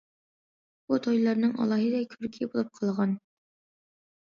بۇ تويلارنىڭ ئالاھىدە كۆركى بولۇپ قالغان.